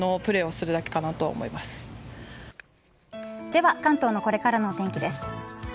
では関東のこれからのお天気です。